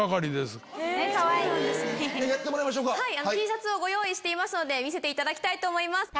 Ｔシャツをご用意していますので見せていただきたいと思います。